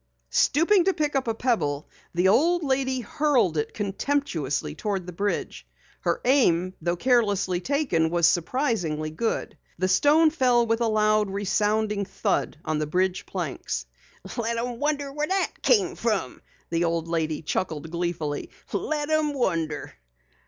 Stooping to pick up a pebble, the old lady hurled it contemptuously toward the bridge. Her aim though carelessly taken was surprisingly good. The stone fell with a loud, resounding thud on the bridge planks. "Let 'em wonder where that came from!" the old lady chuckled gleefully. "Let 'em wonder."